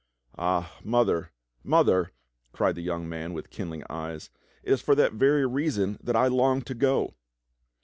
"Ah! Mother, Mother," cried the young man with kindling eyes, "it is for that very reason that I long to go!"